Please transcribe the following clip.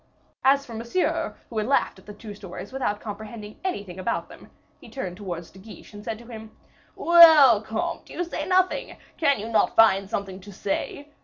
As for Monsieur, who had laughed at the two stories without comprehending anything about them, he turned towards De Guiche, and said to him, "Well, comte, you say nothing; can you not find something to say?